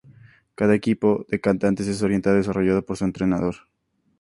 Cada equipo de cantantes es orientado y desarrollado por su entrenador.